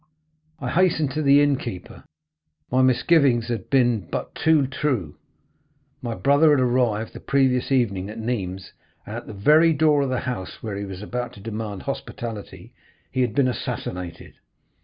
I hastened to the innkeeper. My misgivings had been but too true. My brother had arrived the previous evening at Nîmes, and, at the very door of the house where he was about to demand hospitality, he had been assassinated.